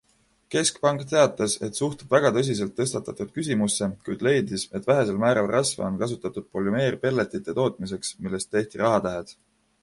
Keskpank teatas, et suhtub väga tõsiselt tõstatatud küsimusse, kuid leidis, et vähesel määral rasva on kasutatud polümeerpelletite tootmiseks, millest tehti rahatähed.